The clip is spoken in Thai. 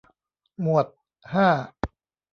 หมวดห้า